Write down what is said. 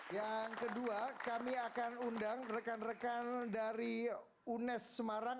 yang kedua kami akan undang rekan rekan dari unes semarang